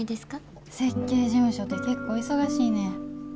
設計事務所って結構忙しいねん。